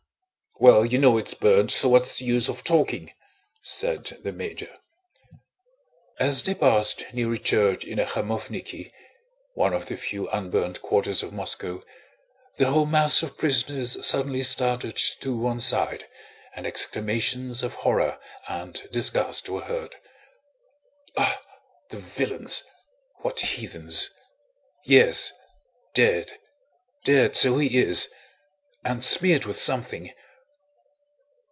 "Well, you know it's burned, so what's the use of talking?" said the major. As they passed near a church in the Khamóvniki (one of the few unburned quarters of Moscow) the whole mass of prisoners suddenly started to one side and exclamations of horror and disgust were heard. "Ah, the villains! What heathens! Yes; dead, dead, so he is... And smeared with something!"